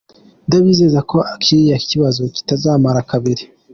Ndabizeza ko kiriya kibazo kitazamara kabiri.